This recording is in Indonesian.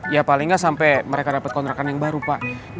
ya paling nggak sampai mereka dapat kontrakan yang baru pak